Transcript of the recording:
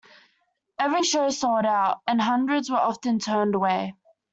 Every show sold out, and hundreds were often turned away.